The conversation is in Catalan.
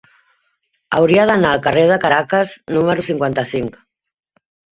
Hauria d'anar al carrer de Caracas número cinquanta-cinc.